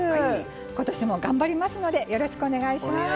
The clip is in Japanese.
今年も頑張りますのでよろしくお願いします。